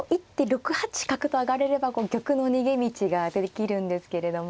６八角と上がれれば玉の逃げ道ができるんですけれども。